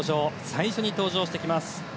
最初に登場してきます